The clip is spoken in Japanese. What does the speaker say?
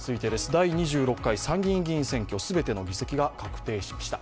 第２６回参議院選挙、全ての議席が確定しました。